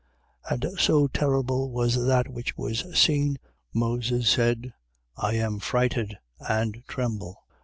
12:21. And so terrible was that which was seen, Moses said: I am frighted, and tremble.